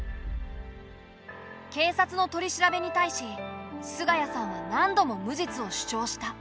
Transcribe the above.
警察の取り調べに対し菅家さんはなんども無実を主張した。